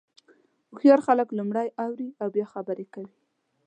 هوښیار خلک لومړی اوري او بیا خبرې کوي.